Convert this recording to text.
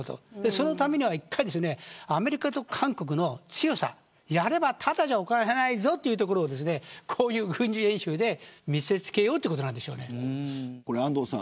そのためには１回ですねアメリカと韓国の強さやれば、ただじゃおかないぞというところを軍事演習で見せつけようというところです。